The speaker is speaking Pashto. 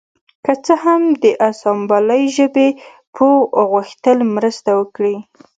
که څه هم د اسامبلۍ ژبې پوه غوښتل مرسته وکړي